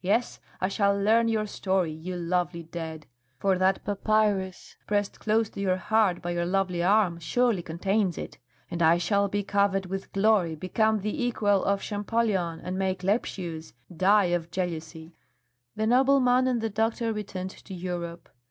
Yes, I shall learn your story, you lovely dead; for that papyrus pressed close to your heart by your lovely arm surely contains it. And I shall be covered with glory, become the equal of Champollion, and make Lepsius die of jealousy." The nobleman and the doctor returned to Europe.